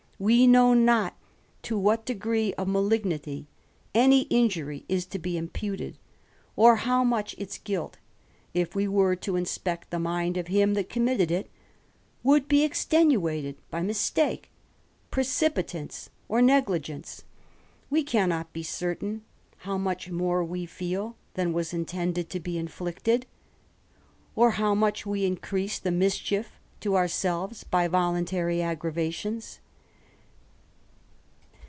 Wf— =^~p know not to what degree of malignity any injury is to be^^^e imputed; or how much its guilt, if we were to inspect th^^» ae mind of him that committed it, would be extenuated b)^^*!^' mistake, precipitance, or negligence: we cannot be certaiir::*: itt how much more we feel than was intended to be inflicted; W S^ or how much we increase the mischief to ourselves bjg voluntary aggravations.